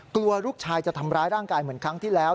กลัวลูกชายจะทำร้ายร่างกายเหมือนครั้งที่แล้ว